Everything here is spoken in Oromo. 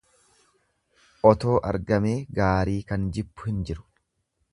Otoo argamee gaarii kan jibbu hin jiru.